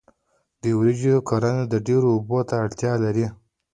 د وریجو کرنه ډیرو اوبو ته اړتیا لري.